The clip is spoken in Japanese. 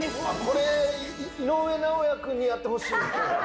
これ井上尚弥君にやってほしい。